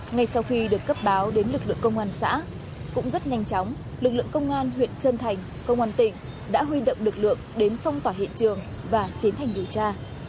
ngay sau khi được cấp báo đến lực lượng công an xã cũng rất nhanh chóng lực lượng công an huyện trân thành công an tỉnh đã huy động lực lượng đến phong tỏa hiện trường và tiến hành điều tra